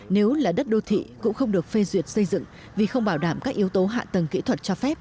nếu là đất đô thị cũng không được phê duyệt xây dựng vì không bảo đảm các yếu tố hạ tầng kỹ thuật cho phép